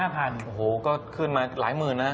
ก็ขึ้นมาหลายหมื่นนะ